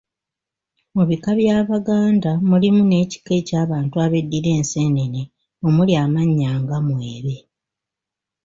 Mu bika by'Abaganda mulimu n'ekika eky'abantu ab'eddira enseenene omuli amannya nga Mwebe.